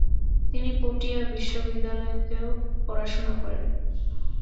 তিনি পটিয়া বিশ্ববিদ্যালয়তেও পড়াশোনা করেন।